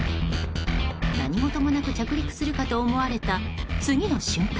何事もなく着陸するかと思われた次の瞬間。